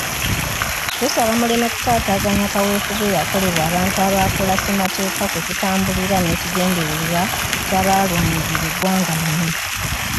Tusaba muleme kutaataganya kaweefube eyakolebwa abantu abaakola ssemateeka kwe tutambulira n'ekigendererwa ky'abalwanirira eggwanga lino.